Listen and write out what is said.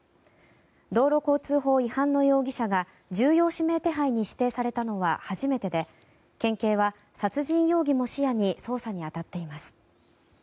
道路交通法違反の容疑者が重要指名手配に指定されたのは初めてで県警は殺人容疑も視野に捜査に当たっています。